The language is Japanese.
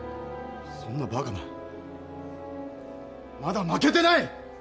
そんなバカなまだ負けてない！